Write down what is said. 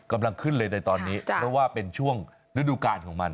กำลังขึ้นเลยในตอนนี้เพราะว่าเป็นช่วงฤดูกาลของมัน